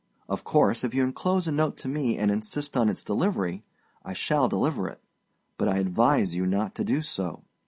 Of course, if you enclose a note to me and insist on its delivery, I shall deliver it; but I advise you not to do so.